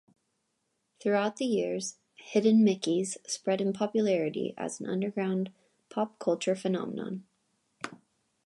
Throughout the years, Hidden Mickeys spread in popularity as an underground, pop culture phenomenon.